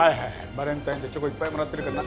バレンタインでチョコいっぱいもらってるからな。